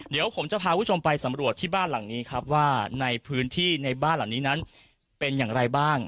เดี๋ยวผมจะพาคุณผู้ชมไปสำรวจที่บ้านหลังนี้ครับว่าในพื้นที่ในบ้านหลังนี้นั้นเป็นอย่างไรบ้าง